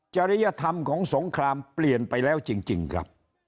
จริยธรรมของสงครามเปลี่ยนไปแล้วจริงครับ